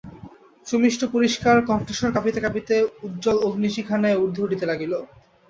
সুমিষ্ট পরিষ্কার কণ্ঠস্বর কাঁপিতে কাঁপিতে উজ্জ্বল অগ্নিশিখার ন্যায় ঊর্ধ্বে উঠিতে লাগিল।